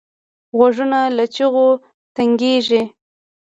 غوږونه له چغو تنګېږي